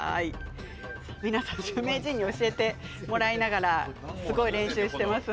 皆さん、名人に教えてもらいながらすごい練習していますね。